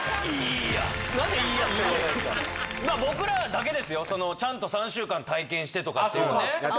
いや何で「いや」しか僕らだけですよちゃんと３週間体験してとかあっそうね